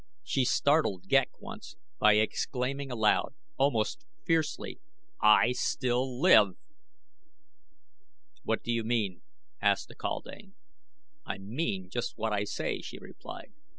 She startled Ghek once by exclaiming aloud, almost fiercely: "I still live!" "What do you mean?" asked the kaldane. "I mean just what I say," she replied.